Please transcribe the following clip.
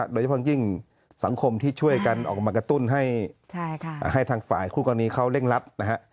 โดยเฉพาะยิ่งสังคมที่ช่วยกันออกมากระตุ้นให้ทางฝ่ายคู่กรณีเขาเร่งรัดนะฮะ